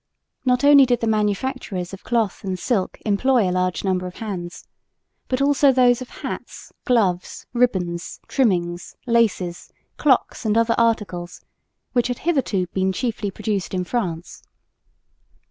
Not only did the manufacturers of cloth and silk employ a large number of hands, but also those of hats, gloves, ribbons, trimmings, laces, clocks and other articles, which had hitherto been chiefly produced in France.